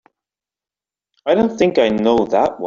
I don't think I know that one.